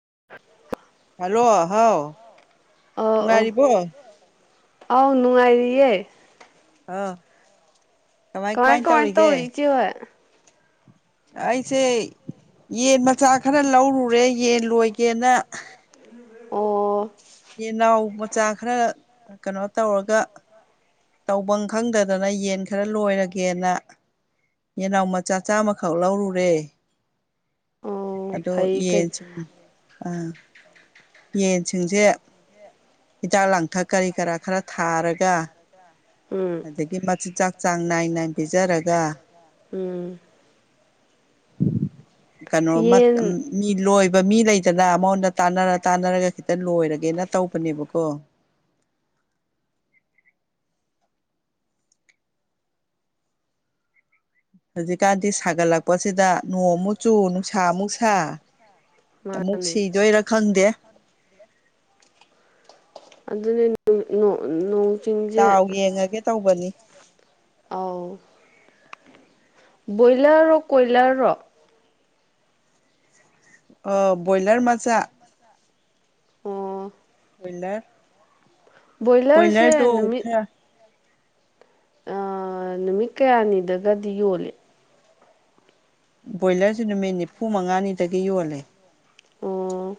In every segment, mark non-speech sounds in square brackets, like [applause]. [unintelligible] hello ꯍꯥꯎ ꯑꯧ ꯑꯧ ꯀꯨꯡꯉꯔꯤꯕꯣ ꯑꯥꯎ ꯅꯨꯡꯉꯥꯏꯔꯤꯌꯦ ꯑ ꯀꯃꯥꯏ ꯀꯃꯥꯏ ꯇꯧꯔꯤꯒꯦ ꯇꯧꯔꯤ ꯏꯆꯦ ꯍꯣꯏ ꯑꯩꯁꯦ ꯌꯦꯟ ꯃꯆꯥ ꯈꯔ ꯂꯧꯔꯨꯔꯦ ꯌꯦꯟ ꯂꯣꯏꯒꯦꯅ ꯑꯣ ꯌꯦꯟꯅꯥꯎ ꯃꯆꯥ ꯈꯔ ꯀꯩꯅꯣ ꯇꯧꯔꯒ ꯇꯐꯝ ꯈꯪꯗꯗꯅ ꯌꯦꯟ ꯈꯔ ꯂꯣꯏꯔꯒꯦꯅ ꯌꯦꯅꯥꯎ ꯃꯆꯥ ꯆꯥꯝꯃꯈꯛ ꯂꯧꯔꯨꯔꯦ ꯑꯣ ꯑꯗꯣ ꯐꯩ ꯀꯩ ꯌꯦꯁꯤ ꯑꯥ ꯌꯦꯟꯁꯤꯡꯁꯦ ꯍꯤꯗꯥꯛ ꯂꯥꯡꯊꯛ ꯀꯔꯤ ꯀꯔꯥ ꯈꯔ ꯊꯥꯔꯒ ꯎꯝ ꯑꯗꯒꯤ ꯃꯆꯤꯟ ꯆꯥꯛ ꯆꯥꯡ ꯅꯥꯏ ꯅꯥꯏꯅ ꯄꯤꯖꯔꯒ ꯎꯝ ꯀꯩꯅꯣ ꯌꯦꯟ ꯃꯤ ꯂꯣꯏꯕ ꯃꯤ ꯂꯩꯗꯅ ꯃꯉꯣꯟꯗ ꯇꯥꯟꯅꯔ ꯇꯥꯟꯅꯔꯒ ꯈꯤꯇꯪ ꯂꯣꯏꯔꯒꯦꯅ ꯇꯧꯕꯅꯦꯕꯀꯣ [unintelligible] ꯍꯧꯖꯤꯛꯀꯥꯟꯗꯤ ꯁꯥꯒꯠꯂꯛꯄꯁꯤꯗ ꯅꯣꯡꯃꯨꯛ ꯆꯨ ꯅꯨꯡꯁꯥ ꯑꯃꯨꯛ ꯁꯥ ꯑꯃꯨꯛ ꯃꯥꯅꯦ ꯁꯤꯗꯣꯏꯔꯥ ꯈꯪꯗꯦ ꯑꯗꯨꯅꯣꯡ ꯗꯥꯎ ꯌꯦꯡꯉꯒꯦ ꯇꯧꯕꯅꯤ ꯑꯥꯎ ꯕ꯭ꯔꯣꯏꯂꯔ ꯔ ꯀꯣꯏꯂꯔ ꯔ ꯑꯣ ꯕꯣꯏꯂꯔ ꯃꯆꯥ ꯑꯣ ꯑꯣꯏꯂꯔ ꯕ꯭ꯔꯣꯏꯂꯔꯁꯦ ꯅꯨꯃꯤꯠ ꯈꯔ ꯑ ꯅꯨꯃꯤꯠ ꯀꯌꯥꯅꯤꯗꯒꯗꯤ ꯌꯣꯜꯂꯦ ꯕꯣꯏꯂꯔꯁꯨ ꯅꯨꯃꯤꯠ ꯅꯤꯐꯨ ꯃꯉꯥꯅꯤꯗꯒꯤ ꯌꯣꯜꯂꯦ ꯑꯣ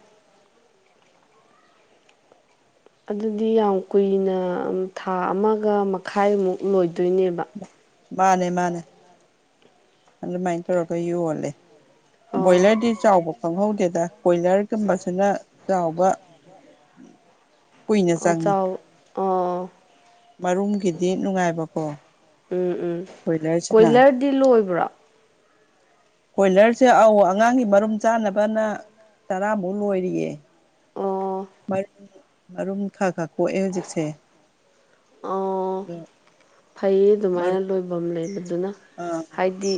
ꯑꯗꯨꯗꯤ ꯌꯥꯝ ꯀꯨꯏꯅ ꯊꯥ ꯑꯃꯒ ꯃꯈꯥꯏꯃꯨꯛ ꯂꯣꯏꯗꯣꯏꯅꯦꯕ ꯃꯥꯅꯦ ꯃꯥꯅꯦ ꯑꯗꯨꯃꯥꯏꯅ ꯇꯧꯔꯒ ꯌꯣꯜꯂꯦ ꯑꯣ ꯕꯣꯌꯂꯔꯗꯤ ꯆꯕ ꯈꯪꯍꯧꯗꯦꯗ ꯀꯣꯏꯂꯔꯒꯨꯝꯕꯁꯤꯅ ꯆꯥꯎꯕ ꯀꯨꯏꯅ ꯆꯪꯉꯤ ꯑꯥ ꯃꯔꯨꯝꯒꯤꯗꯤ ꯅꯨꯡꯉꯥꯏꯕꯀꯣ ꯎꯝ ꯎꯝ ꯀꯣꯏꯂꯔꯁꯤꯅ ꯀꯣꯏꯂꯔꯗꯤ ꯂꯣꯏꯕ꯭ꯔꯥ ꯀꯣꯏꯂꯔꯁꯦ ꯑꯧ ꯑꯉꯥꯡꯒꯤ ꯃꯔꯨꯝ ꯆꯥꯅꯕꯅ ꯇꯔꯥꯃꯨꯛ ꯂꯣꯏꯔꯤꯌꯦ ꯑꯣ ꯃꯔꯨꯝ ꯃꯔꯨꯝ ꯈꯔ ꯈꯔ ꯀꯣꯛꯑꯦ ꯍꯧꯖꯤꯛꯁꯦ ꯑꯣ ꯑꯗꯣ ꯐꯩꯌꯦ ꯑꯗꯨꯃꯥꯏꯅ ꯃꯔꯨꯝ ꯂꯣꯏꯐꯝ ꯂꯩꯕꯗꯨꯅ ꯑꯥ ꯍꯥꯏꯗꯤ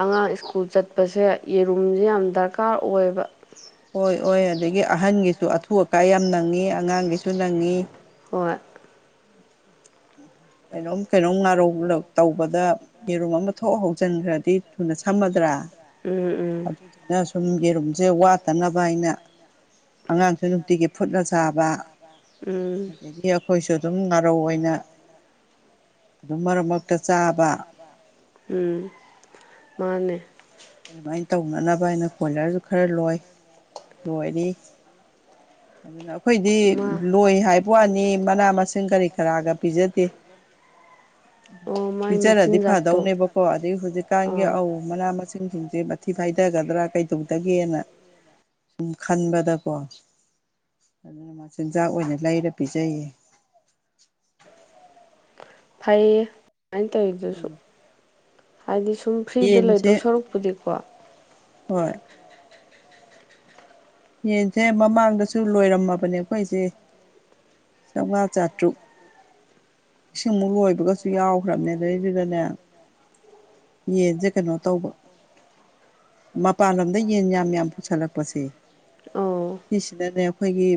ꯑꯉꯥꯡ ꯁ꯭ꯀꯨꯜ ꯆꯠꯄꯁꯦ ꯌꯦꯔꯨꯝꯁꯦ ꯌꯥꯝ ꯗꯔꯀꯥꯔ ꯑꯣꯏꯕ ꯍꯣꯏ ꯑꯣꯏ ꯑꯗꯒꯤ ꯑꯍꯟꯒꯤꯁꯨ ꯑꯊꯨ ꯑꯀꯥꯏ ꯌꯥꯝ ꯅꯪꯉꯤ ꯑꯉꯥꯡꯒꯤꯁꯨ ꯅꯪꯉꯤ ꯍꯠ ꯀꯩꯅꯣꯝ ꯀꯩꯅꯣꯝ ꯉꯥꯔꯧ ꯇꯧꯕꯗ ꯌꯦꯔꯨꯝ ꯑꯃ ꯊꯣꯛ ꯍꯧꯖꯤꯟꯈ꯭ꯔꯗꯤ ꯊꯨꯅ ꯁꯝꯃꯗ꯭ꯔꯥ ꯎꯝ ꯎꯝ ꯑꯗꯨ ꯌꯥꯁ ꯁꯨꯝꯒꯤ ꯔꯨꯝꯁꯦ ꯋꯥꯠꯇꯅꯕ ꯑꯩꯅ ꯑꯉꯥꯡꯁꯨ ꯅꯨꯡꯇꯤꯒꯤ ꯐꯨꯠꯂꯠ ꯁꯥꯕ ꯎꯝ ꯑꯗꯒꯤ ꯑꯩꯈꯣꯏꯁꯨ ꯑꯗꯨꯝ ꯉꯥꯔꯧ ꯑꯣꯏꯅ ꯑꯗꯨꯃ ꯔꯃ ꯎꯝ ꯃꯥꯅꯦ ꯑꯗꯨꯃꯥꯏꯅ ꯇꯧꯅꯅꯕ ꯑꯩꯅ ꯀꯣꯏꯂꯔꯁꯨ ꯈꯔ ꯂꯣꯏ ꯂꯣꯏꯔꯤ ꯑꯗꯨ ꯑꯗꯨꯅ ꯑꯩꯈꯣꯏꯗꯤ ꯃꯥ ꯂꯣꯏ ꯍꯥꯏꯕ ꯑꯅꯤ ꯃꯅꯥ ꯃꯁꯤꯡ ꯀꯔꯤ ꯀꯔꯥꯒ ꯄꯤꯖꯗꯦ ꯎ ꯑꯣ ꯃꯥꯏ ꯄꯤꯖꯔꯗꯤ ꯃꯆꯤꯟꯖꯥꯛꯇꯣ ꯐꯗꯧꯅꯦꯕꯀꯣ ꯑꯗꯨꯗꯩ ꯍꯧꯖꯤꯛꯀꯥꯟꯒꯤ ꯑ ꯑꯥ ꯃꯅꯥ ꯃꯁꯤꯡ ꯄ ꯁꯦ ꯃꯊꯤ ꯐꯥꯏꯊꯒꯗ꯭ꯔꯥ ꯀꯩꯗꯧꯗꯒꯦꯅ ꯁꯨꯝ ꯈꯟꯕꯗꯀꯣ ꯑꯗꯨꯅ ꯃꯆꯤꯟꯖꯥꯛ ꯑꯣꯏꯅ ꯂꯩꯔ ꯄꯤꯖꯩꯌꯦ ꯐꯩꯌꯦ ꯑꯗꯨꯃꯥꯏꯅ ꯇꯧꯔꯤꯤꯗꯨꯁꯨ ꯎꯝ ꯍꯥꯏꯗꯤ ꯁꯨꯝ ꯐ꯭ꯔꯤꯗ ꯌꯦꯟꯁꯦ ꯂꯩꯗꯧ ꯁꯔꯛꯄꯨꯗꯤꯀꯣ ꯍꯣꯏ ꯌꯦꯟꯁꯦ ꯃꯃꯥꯡꯗꯁꯨ ꯂꯣꯏꯔꯝꯃꯕꯅꯦ ꯑꯩꯈꯣꯏꯁꯦ ꯆꯥꯃꯉ ꯆꯥꯇ꯭ꯔꯨꯛ ꯏꯁꯤꯡ ꯑꯃꯨꯛ ꯂꯣꯏꯕꯒꯁꯨ ꯌꯥꯎꯈ꯭ꯔꯕꯅꯦ ꯑꯗꯨꯗꯩꯗꯨꯗꯅꯦ ꯌꯦꯟꯁꯦ ꯀꯩꯅꯣ ꯇꯧꯕ ꯃꯄꯥꯟꯂꯣꯝꯗ ꯌꯦꯟ ꯌꯥꯝ ꯌꯥꯝ ꯄꯨꯁꯜꯂꯛꯄꯁꯦ ꯑꯧ ꯁꯤꯁꯤꯅꯅꯦ ꯑꯩꯈꯣꯏꯒꯤ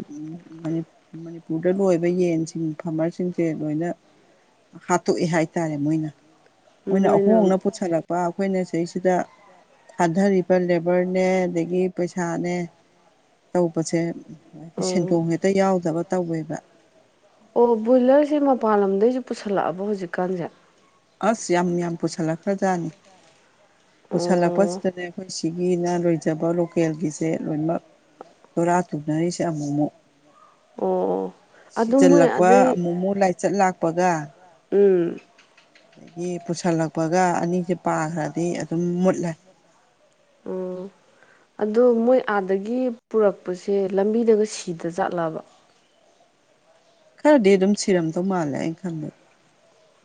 ꯃꯅꯤꯄꯨꯔꯗ ꯂꯣꯏꯕ ꯌꯦꯟꯁꯤꯡ ꯐꯥꯔꯃꯔꯁꯤꯡꯁꯦ ꯂꯣꯏꯅ ꯍꯥꯠꯇꯣꯛꯑꯦ ꯍꯥꯏꯇꯥꯔꯦ ꯃꯣꯏꯅ ꯃꯣꯏꯅ ꯄꯨꯠꯁꯜꯂꯛꯄ ꯑꯩꯈꯣꯏꯅ ꯁꯤꯁꯤꯗ ꯊꯥꯗꯔꯤꯕ ꯂꯦꯕꯔꯅꯦ ꯑꯗꯒꯤ ꯄꯩꯁꯥꯅꯦ ꯇꯧꯕꯁꯦ ꯍꯥꯏꯗꯤ ꯑꯧ ꯁꯦꯟꯗꯣꯡ ꯍꯦꯛꯇ ꯌꯥꯎꯗꯕ ꯇꯧꯋꯦꯕ ꯑꯣ ꯕꯣꯏꯂꯔꯁꯦ ꯃꯄꯥꯟ ꯂꯝꯗꯩꯁꯨ ꯄꯨꯁꯜꯂꯛꯑꯕ ꯍꯧꯖꯤꯛꯀꯥꯟꯁꯦ ꯑꯁ ꯌꯥꯝ ꯌꯥꯝ ꯄꯨꯁꯜꯂꯛꯈ꯭ꯔꯖꯥꯠꯅꯤ ꯑꯣ ꯄꯨꯁꯤꯜꯂꯛꯄꯁꯤꯗꯅꯦ ꯑꯩꯈꯣꯏ ꯁꯤꯒꯤꯅ ꯂꯣꯏꯖꯕ ꯂꯣꯀꯦꯜꯒꯤꯁꯦ ꯂꯣꯏꯅꯃꯛ ꯇꯣꯔꯥ ꯊꯨꯅꯔꯤꯁꯦ ꯑꯃꯨꯛ ꯑꯃꯨꯛ ꯑꯣꯝ ꯁꯤꯖꯤꯜꯂꯛꯄ ꯑꯃꯨꯛ ꯑꯃꯨꯛ ꯂꯥꯏꯆꯠ ꯂꯥꯛꯄꯒ ꯎꯝ ꯑꯗꯒꯤ ꯄꯨꯁꯤꯜꯂꯛꯄꯒ ꯑꯅꯤꯁꯦ ꯄꯥꯈ꯭ꯔꯗꯤ ꯑꯗꯨꯝ ꯃꯨꯠꯂꯦ ꯎꯝ ꯑꯗꯣ ꯃꯣꯏ ꯑꯥꯗꯒꯤ ꯄꯨꯔꯛꯄꯁꯦ ꯂꯝꯕꯤꯗꯒ ꯁꯤꯗ ꯆꯠꯂꯕ ꯈꯔꯗꯤ ꯑꯗꯨꯝ ꯁꯤꯔꯝꯗꯧ ꯃꯥꯜꯂꯦ ꯑꯩꯅ ꯈꯟꯕꯩ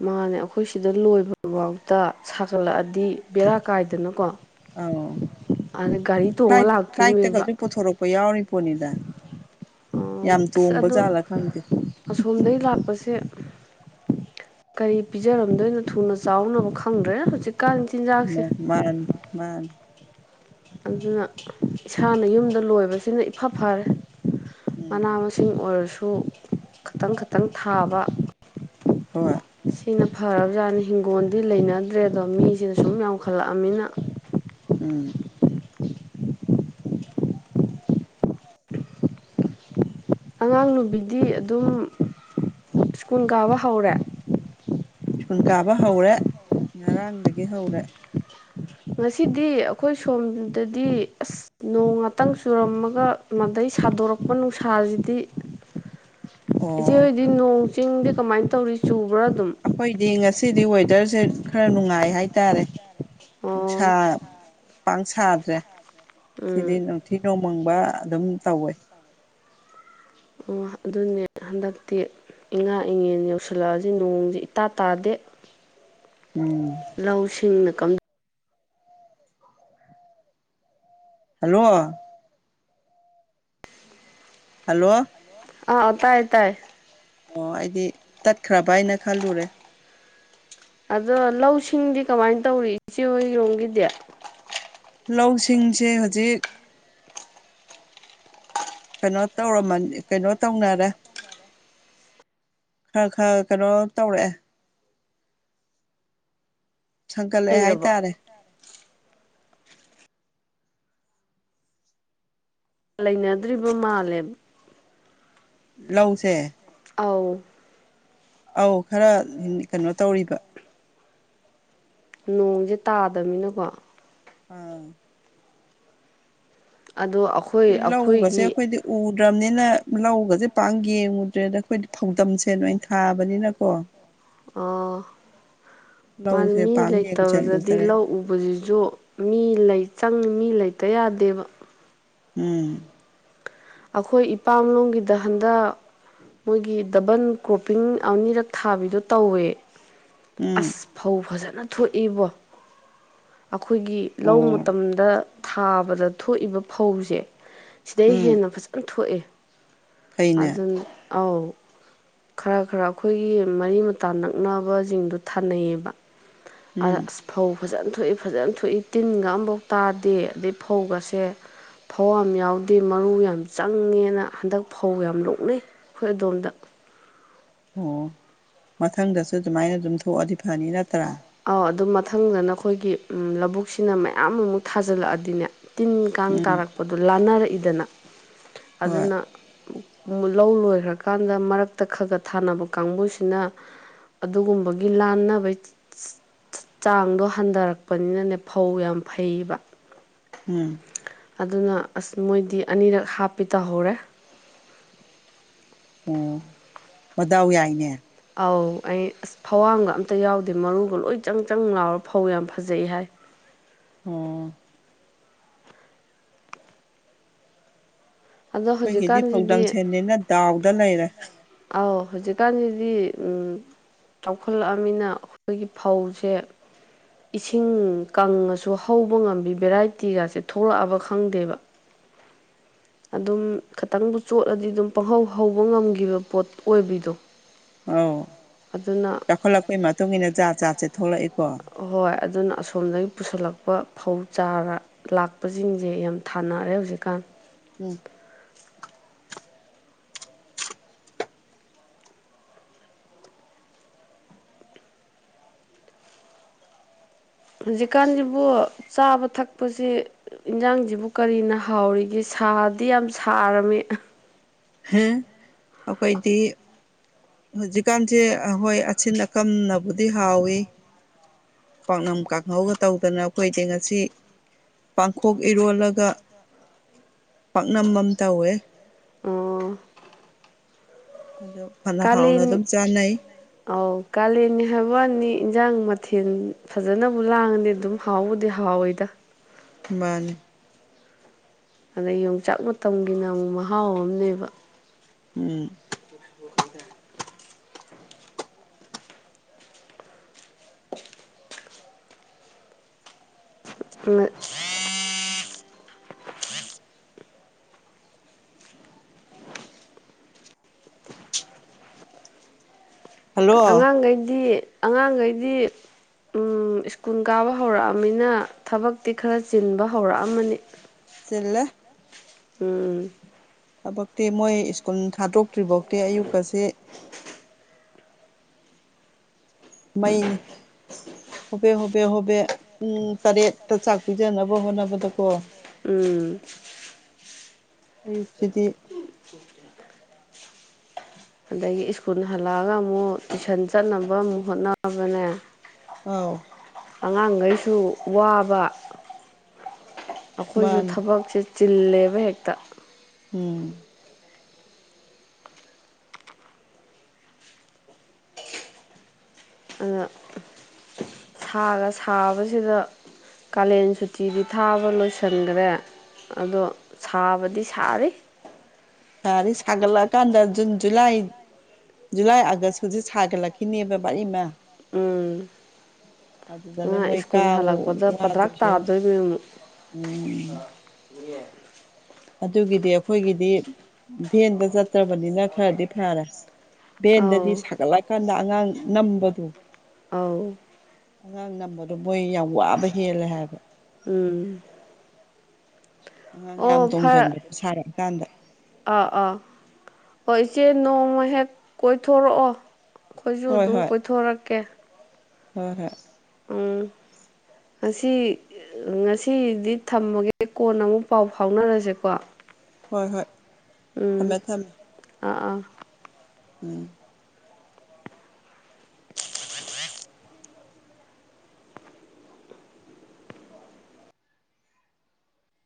ꯃꯥꯅꯦ ꯑꯩꯈꯣꯏ ꯁꯤꯗ ꯂꯣꯏꯕ ꯐꯥꯎꯇ ꯁꯥꯒꯠꯂꯛꯑꯗꯤ ꯕꯦꯔꯥ ꯀꯥꯏꯗꯅꯀꯣ ꯑꯥꯎ ꯑꯗ ꯒꯥꯔꯤ ꯇꯣꯡꯉ ꯐ꯭ꯂꯥꯏꯠ ꯂꯥꯛꯇꯣꯏꯅꯦꯕ ꯐ꯭ꯂꯥꯏꯠꯇꯒꯁꯨ ꯄꯨꯊꯣꯔꯛꯄ ꯌꯥꯎꯔꯤ ꯄꯨꯅꯤꯗꯥ ꯑꯣ ꯑꯁ ꯑꯗꯣ ꯑꯁꯣꯝꯗꯒꯤ ꯂꯥꯛꯄꯁꯦ ꯀꯔꯤ ꯄꯤꯖꯔꯝꯗꯣꯏꯅꯣ ꯊꯨꯅ ꯆꯥꯎꯅꯕ ꯈꯪꯗ꯭ꯔꯦ ꯍꯧꯖꯤꯛ ꯃꯥ ꯃꯥ ꯑꯗꯨꯅ ꯏꯁꯥꯅ ꯌꯨꯝꯗ ꯂꯣꯏꯕꯁꯤꯅ ꯏꯐ ꯐꯔꯦ ꯃꯅꯥ ꯎꯝ ꯃꯁꯤꯡ ꯑꯣꯏꯔꯁꯨ ꯈꯤꯇꯪ ꯈꯇꯪ ꯊꯥꯕ ꯍꯣꯢ ꯐꯔꯕ ꯖꯥꯠꯅꯤ ꯍꯤꯡꯒꯣꯜꯗꯤ ꯂꯩꯅꯗ꯭ꯔꯦ ꯑꯗꯣ ꯃꯤꯁꯤꯅ ꯁꯨꯝ ꯌꯥꯝꯈꯠꯂꯛꯑꯅꯤꯅ ꯎꯝ ꯑꯉꯥꯡ ꯅꯨꯨꯕꯤꯗꯤ ꯑꯗꯨꯝ ꯁ꯭ꯀꯨꯜ ꯀꯥꯕ ꯍꯧꯔꯦ ꯁ꯭ꯀꯨꯜ ꯀꯥꯕ ꯍꯧꯔꯦ ꯉꯔꯥꯡꯗꯒꯤ ꯍꯧꯔꯦ ꯉꯁꯤꯗꯤ ꯑꯩꯈꯣꯏ ꯁꯣꯝꯗꯗꯤ ꯑꯁ ꯅꯣꯡ ꯉꯇꯪ ꯆꯨꯔꯝꯃꯒ ꯃꯗꯩ ꯁꯥꯗꯣꯔꯛꯄ ꯅꯨꯡꯁꯥꯁꯤꯗꯤ [inaudible] ꯏꯆꯦ ꯑꯣ ꯍꯣꯏꯗꯤ ꯅꯣꯡ ꯆꯤꯡꯗꯤ ꯀꯃꯥꯏꯅ ꯇꯧꯔꯤ ꯆꯨ ꯑꯩꯈꯣꯏꯗꯤ ꯉꯁꯤꯗꯤ ꯋꯦꯗꯔꯁꯦ ꯈꯔ ꯅꯨꯡꯉꯥꯏ ꯍꯥꯏꯇꯥꯔꯦ ꯅꯨꯡꯁꯥ ꯑꯣ ꯄꯥꯡ ꯁꯥꯗ꯭ꯔꯦ ꯁꯤꯗꯤ ꯎꯝ ꯅꯨꯡꯊꯤ ꯅꯣ ꯃꯪꯕ ꯑꯗꯨꯝ ꯇꯧꯋꯦ ꯑꯣ ꯑꯗꯨꯅꯦ ꯍꯟꯗꯛꯇꯤ ꯏꯉꯥ ꯏꯉꯦꯟ ꯌꯧꯁꯤꯜꯂꯛꯑꯁꯤ ꯅꯣꯡꯁꯤ ꯏꯇꯥ ꯇꯥꯗꯦ ꯎꯝ ꯂꯧ ꯁꯤꯡꯅ ꯀꯝ ꯍꯜꯂꯣ ꯍꯜꯂꯣ ꯑꯥ ꯇꯥꯏ ꯇꯥꯏ ꯑꯣ ꯑꯩꯗꯤ ꯇꯠꯈ꯭ꯔꯕ ꯍꯥꯏꯅ ꯈꯜꯂꯨꯔꯦ ꯑꯗꯣ ꯂꯧꯁꯤꯡꯗꯤ ꯀꯃꯥꯏꯅ ꯇꯧꯔꯤ ꯏꯆꯦ ꯍꯔꯣꯝꯒꯤꯗꯤ ꯂꯧꯁꯤꯡꯁꯦ ꯍꯧꯖꯤꯛ ꯀꯩꯅꯣ ꯇꯧꯔꯃꯅꯤ ꯀꯩꯅꯣ ꯇꯧꯅꯔꯦ ꯈꯔ ꯈꯔ ꯀꯩꯅꯣ ꯇꯧꯔꯛꯑꯦ ꯁꯥꯡꯒꯠꯂꯛꯑꯦ ꯂꯩꯔꯕꯣ ꯍꯥꯏꯇꯥꯔꯦ ꯂꯩꯅꯗ꯭ꯔꯤꯕ ꯃꯥꯂꯦꯝ ꯂꯧꯁꯦ ꯑꯥꯎ ꯑꯧ ꯈꯔ ꯀꯩꯅꯣ ꯇꯧꯔꯤꯕ ꯅꯣꯡꯁꯦ ꯇꯥꯗꯅꯤꯅꯀꯣ ꯑꯝ ꯑꯗꯣ ꯑꯩꯈꯣꯏ ꯂꯤ ꯂꯧꯀꯁꯦ ꯑꯩꯈꯣꯏꯒꯤ ꯈꯣꯏꯗꯤ ꯎ ꯎ꯭ꯔꯕꯅꯤꯅ ꯂꯧꯒꯁꯦ ꯄꯥꯛ ꯌꯦꯡꯉꯨꯗ꯭ꯔꯦꯗ ꯑꯩꯈꯣꯏꯗꯤ ꯐꯧꯗꯝꯁꯦ ꯅ ꯑꯩꯅ ꯊꯥꯕꯅꯤꯅꯀꯣ ꯑ ꯃꯥ ꯂꯧꯁꯦ ꯃꯤ ꯄꯥꯛ ꯂꯩꯇꯕꯗꯗꯤ ꯌꯦꯡꯁꯤꯜꯂꯨꯗ꯭ꯔꯦ ꯂꯧ ꯍꯥꯏꯇꯥꯔꯦ ꯎꯕꯁꯤꯁꯨ ꯃꯤ ꯂꯩ ꯆꯪ ꯃꯤ ꯂꯩꯇ ꯌꯥꯗꯦꯕ ꯎꯝ ꯑꯩꯈꯣꯏ ꯏꯄꯥꯝꯂꯣꯝꯒꯤꯗ ꯍꯟꯗ ꯃꯣꯏꯒꯤ ꯗꯕꯟ ꯀ꯭ꯔꯣꯞꯄꯤꯡ ꯑꯅꯤꯔꯛ ꯊꯥꯕꯤꯗꯣ ꯇꯧꯋꯦ ꯎꯝ ꯑꯁ ꯐꯧ ꯐꯖꯅ ꯊꯣꯛꯏꯕꯣ ꯑꯩꯈꯣꯏꯒꯤ ꯂꯧ ꯑꯣ ꯃꯇꯝꯗ ꯊꯥꯕꯗ ꯊꯣꯛꯏꯕ ꯐꯧꯁꯦ ꯁꯤꯗꯩ ꯎꯝ ꯍꯦꯟꯅ ꯐꯖꯅ ꯊꯣꯛꯑꯦ ꯐꯩꯅꯦ ꯑꯗꯨꯅ ꯑꯥꯎ ꯈꯔ ꯈꯔ ꯑꯩꯈꯣꯏꯒꯤ ꯃꯔꯤ ꯃꯇꯥ ꯅꯛꯅꯕꯁꯤꯡꯗꯨ ꯊꯥꯅꯩꯌꯦꯕ ꯎꯝ ꯑꯁ ꯐꯧ ꯐꯖꯅ ꯊꯣꯛꯏ ꯐꯖꯅ ꯊꯣꯛꯏ ꯇꯤꯟꯒ ꯑꯃꯝꯐꯥꯎ ꯇꯥꯗꯦ ꯑꯗꯩ ꯐꯧꯒꯁꯦ ꯐꯧ ꯌꯥꯝ ꯌꯥꯎꯗꯦ ꯃꯔꯨ ꯌꯥꯝ ꯆꯪꯉꯦꯅ ꯍꯟꯗꯛ ꯐꯧ ꯌꯥꯝ ꯂꯣꯛꯅꯩ ꯑꯩꯈꯣꯏ ꯑꯗꯣꯝꯗ ꯑꯣ ꯃꯊꯪꯗꯁꯨ ꯑꯗꯨꯃꯥꯏꯅ ꯑꯗꯨꯝ ꯊꯣꯛꯑꯗꯤ ꯐꯅꯤ ꯅꯠꯇ꯭ꯔꯥ ꯑꯧ ꯑꯗꯨ ꯃꯊꯪꯗꯅ ꯑꯩꯈꯣꯏꯒꯤ ꯂꯧꯕꯨꯛꯁꯤꯅ ꯃꯌꯥꯝꯃꯨꯛ ꯊꯥꯖꯤꯜꯂꯛꯑꯗꯤꯅꯦ ꯇꯤꯟ ꯀꯥꯡ ꯎꯝ ꯇꯥꯔꯛꯄꯗꯨ ꯂꯥꯟꯅꯔꯛꯏꯗꯅ ꯍꯣꯏ ꯑꯗꯨꯅ ꯂꯧ ꯂꯣꯏꯈ꯭ꯔꯀꯥꯟꯗ ꯃꯔꯛꯇ ꯈ ꯈ ꯊꯥꯅꯕ ꯀꯥꯡꯕꯨꯁꯤꯅ ꯑꯗꯨꯒꯨꯝꯕꯒꯤ ꯂꯥꯟꯅꯕ ꯆꯥꯡꯗꯣ ꯍꯟꯊꯔꯛꯄꯅꯤꯅꯅꯦ ꯐꯧ ꯌꯥꯝ ꯐꯩꯕ ꯎꯝ ꯑꯗꯨꯅ ꯑꯁ ꯃꯣꯏꯗꯤ ꯑꯅꯤꯔꯛ ꯍꯥꯞꯄꯤ ꯇꯧꯍꯧꯔꯦ ꯑꯣ ꯃꯗꯥꯎ ꯌꯥꯏꯅꯦ ꯑꯧ ꯑꯩ ꯑꯁ ꯐꯋꯥꯝꯒ ꯑꯝꯇ ꯌꯥꯎꯗꯦ ꯃꯔꯨꯒ ꯂꯣꯏ ꯆꯪ ꯆꯪ ꯂꯥꯎꯔꯥ ꯐꯧ ꯌꯥꯝ ꯐꯖꯩ ꯍꯥꯏ ꯑꯣ ꯑꯗꯣ ꯑꯩꯈꯣꯏꯒꯤꯗꯤ ꯐꯧꯗꯝ ꯍꯧꯖꯤꯛꯀꯥꯟꯁꯤꯗꯤ ꯁꯦꯟꯅꯤꯅ ꯗꯥꯎꯗ ꯂꯩꯔꯦ ꯑꯥꯎ ꯍꯧꯖꯤꯛꯀꯥꯟꯁꯤꯗꯤ ꯎꯝ ꯆꯥꯎꯈꯠꯂꯛ ꯑꯝꯅꯤꯅ ꯑꯩꯈꯣꯏꯒꯤ ꯐꯧꯁꯦ ꯏꯁꯤꯡ ꯀꯪ ꯉꯁꯨ ꯍꯧꯕ ꯉꯝꯕꯤ ꯚꯦꯔꯥꯏꯇꯤꯒꯥꯁꯦ ꯊꯣꯛꯂꯛꯑꯕ ꯈꯪꯗꯦꯕ [unintelligible] ꯑꯗꯨꯝ ꯈꯤꯇꯪꯕꯨ ꯆꯣꯠꯂꯗꯤ ꯑꯗꯨꯝ ꯄꯪꯍꯧ ꯍꯧꯕ ꯉꯝꯈꯤꯕ ꯄꯣꯠ ꯑꯣꯏꯕꯤꯗꯣ ꯑꯧ ꯑꯗꯨꯅ ꯆꯥꯎꯈꯠꯂꯛꯄꯒꯤ ꯃꯇꯨꯡꯏꯟꯅ ꯖꯥꯠ ꯖꯥꯠꯁꯦ ꯊꯣꯛꯂꯛꯑꯦꯀꯣ ꯍꯣꯏ ꯑꯗꯨꯅ ꯑꯁꯣꯝꯗꯒꯤ ꯄꯨꯁꯤꯜꯂꯛꯄ ꯐꯧ ꯆꯥꯔ ꯂꯥꯛꯄꯁꯤꯡꯁꯦ ꯌꯥꯝ ꯊꯥꯅꯔꯦ ꯍꯧꯖꯤꯛꯀꯥꯟ ꯎꯝ ꯍꯧꯖꯤꯛꯀꯥꯟꯁꯤꯕꯨ ꯆꯥꯕ ꯊꯛꯄꯁꯤ ꯏꯟꯖꯥꯡꯖꯤꯕꯨ ꯀꯔꯤꯅ ꯍꯥꯎꯔꯤꯒꯦ ꯁꯥꯗꯤ ꯌꯥꯝ ꯁꯥꯔꯝꯃꯤ ꯍꯝ ꯑꯩꯈꯣꯏꯗꯤ ꯍꯧꯖꯤꯛꯀꯥꯟꯁꯦ ꯍꯣꯏ ꯑꯁꯤꯟ ꯑꯀꯝ ꯅꯕꯨꯗꯤ ꯍꯥꯎꯋꯤ ꯄꯥꯛꯅꯝ ꯀꯥꯡꯍꯧꯒ ꯇꯧꯗꯅ ꯑꯩꯈꯣꯏꯗꯤ ꯉꯁꯤ ꯄꯥꯡꯈꯣꯛ ꯏꯔꯣꯜꯂꯒ ꯄꯥꯛꯅꯝ ꯑꯃ ꯇꯧꯋꯦ ꯑꯣ ꯑꯗꯣ ꯐꯅ ꯍꯥꯎꯅ ꯀꯥꯂꯦꯟ ꯑꯗꯨꯝ ꯆꯥꯅꯩ ꯑꯧ ꯀꯥꯂꯦꯟꯅꯤ ꯍꯥꯏꯕ ꯋꯥꯅꯤ ꯏꯟꯁꯥꯡ ꯃꯊꯦꯜ ꯐꯖꯅꯕꯨ ꯂꯥꯡꯉꯗꯤ ꯑꯗꯨꯝ ꯍꯥꯎꯕꯨꯗꯤ ꯍꯥꯎꯋꯤꯗ ꯃꯥꯅꯤ ꯑꯗ ꯌꯣꯡꯆꯥꯛ ꯃꯇꯝꯒꯤꯅ ꯑꯃꯨꯛ ꯃꯍꯥꯎ ꯑꯃꯅꯦꯕ ꯎꯝ [unintelligible] [unintelligible] ꯍꯜꯂꯣ ꯑꯉꯥꯡ ꯈꯩꯗꯤ ꯑꯉꯥꯡꯈꯩꯗꯤ ꯎꯝ ꯁ꯭ꯀꯨꯜ ꯀꯥꯕ ꯍꯧꯔꯛ ꯑꯝꯃꯤꯅ ꯊꯕꯛꯇꯤ ꯈꯔ ꯆꯤꯟꯕ ꯍꯧꯔꯛ ꯑꯝꯃꯅꯤ ꯆꯤꯜꯂꯦ ꯎꯝ ꯊꯕꯛꯇꯤ ꯃꯣꯏ ꯁ꯭ꯀꯨꯜ ꯊꯥꯗꯣꯛꯇ꯭ꯔꯤ ꯐꯥꯎꯇꯤ ꯑꯌꯨꯛ ꯀꯥꯁꯤ ꯃꯩꯅꯤ ꯍꯣꯕꯦ ꯍꯣꯕꯦ ꯍꯣꯕꯦ ꯄꯨꯡ ꯇꯔꯦꯠꯇ ꯆꯥꯛ ꯄꯤꯖꯅꯕ ꯍꯣꯠꯅꯕꯗꯀꯣ ꯎꯝ ꯑꯌꯨꯛꯁꯤꯗꯤ ꯑꯗꯒꯤ ꯁ꯭ꯀꯨꯜ ꯍꯜꯂꯛ ꯑꯒ ꯑꯃꯨꯛ ꯇꯨꯏꯁꯟ ꯆꯠꯅꯕ ꯑꯃꯨꯛ ꯍꯣꯠꯅꯕꯅꯦ ꯑꯥꯎ ꯑꯉꯥꯡꯈꯩꯁꯨ ꯋꯥꯕ ꯑꯩꯈꯣꯏꯁꯨ ꯃꯥꯅꯦ ꯊꯕꯛꯁꯦ ꯆꯤꯜꯂꯦꯕ ꯍꯦꯛꯇ ꯎꯝ ꯑꯗꯨꯅ ꯁꯥꯒ ꯁꯥꯕꯁꯤꯗ ꯀꯥꯂꯦꯟ ꯁꯨꯇꯤꯗꯤ ꯊꯥꯕ ꯂꯣꯏꯁꯤꯟ ꯒꯥꯔꯦ ꯑꯗꯣ ꯁꯥꯕꯗꯤ ꯁꯥꯔꯤ ꯁꯔꯤ ꯁꯥꯒꯠ ꯂꯛꯑꯥ ꯀꯥꯟꯗ ꯖꯨꯟ ꯖꯨꯂꯥꯏ ꯖꯨꯂꯥꯏ ꯑꯥꯒꯁꯖꯤꯛ ꯁꯥꯒꯠꯂꯛꯈꯤꯅꯦꯕ ꯚꯥꯔꯤꯃꯥ ꯎꯝ ꯑꯗꯨꯗꯅꯦ ꯑꯉꯥꯡ ꯃꯣꯏ ꯁ꯭ꯀꯨꯜ ꯀꯥꯕ ꯍꯜꯂꯛꯄꯗ ꯄꯗ꯭ꯔꯥꯛ ꯋꯥꯗꯣꯏꯁꯦ ꯇꯥꯗꯣꯏꯅꯤ ꯑꯃꯨꯛ ꯎꯝ ꯏ ꯑꯗꯨꯒꯤꯗꯤ ꯑꯩꯈꯣꯏꯒꯤꯗꯤ ꯚꯦꯟꯗ ꯆꯠꯇ꯭ꯔꯕꯅꯤꯅ ꯈꯔꯗꯤ ꯐꯔꯦ ꯚꯦꯟꯗꯗꯤ ꯑꯧ ꯁꯥꯒꯠꯂꯛꯀꯥꯟꯗ ꯑꯉꯥꯡ ꯅꯝꯕꯗꯣ ꯑꯥꯎ ꯑꯉꯥꯡ ꯅꯝꯕꯗꯣ ꯃꯣꯏ ꯌꯥꯝ ꯋꯥꯕ ꯍꯦꯜꯂꯦ ꯍꯥꯏꯕ ꯎꯝ ꯑꯉꯥꯡ ꯌꯥꯝ ꯑꯣ ꯐꯔ ꯇꯣꯡꯁꯤꯟꯕꯗꯣ ꯁꯥꯔꯛꯑꯀꯥꯟꯗ ꯑꯥ ꯑꯥ ꯍꯣꯏ ꯏꯆꯦ ꯅꯣꯡꯃ ꯍꯦꯛ ꯀꯣꯏꯊꯣꯔꯛꯑꯣ ꯑꯩꯈꯣꯏꯁꯨ ꯍꯣꯏ ꯑꯗꯨꯝ ꯍꯣꯏ ꯀꯣꯏꯊꯣꯔꯛꯀꯦ ꯍꯣꯏ ꯍꯣꯏ [inaudible] [unintelligible] ꯑꯁꯤꯁꯤ ꯉꯁꯤꯗꯤ ꯊꯝꯃꯒꯦ ꯀꯣꯟꯅ ꯑꯃꯨꯛ ꯄꯥꯎ ꯐꯥꯎꯅꯔꯁꯦꯀꯣ ꯍꯣꯏ ꯍꯣꯏ ꯎꯝ ꯊꯝꯃꯦ ꯊꯝꯃꯦ ꯑꯥ ꯑꯥ ꯎꯝ